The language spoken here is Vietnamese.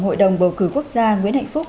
hội đồng bầu cử quốc gia nguyễn hạnh phúc